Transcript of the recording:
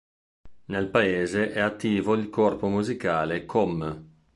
Nel paese è attivo il corpo musicale "Comm.